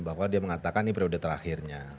bahwa dia mengatakan ini periode terakhirnya